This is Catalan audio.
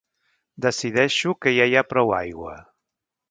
Decideixo que ja hi ha prou aigua.